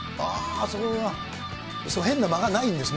そこが、変な間がないんですね。